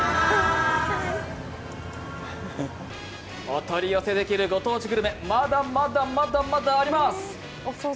お取り寄せできるご当地グルメ、まだまだ、まだまだあります。